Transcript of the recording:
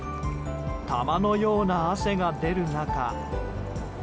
玉のような汗が出る中。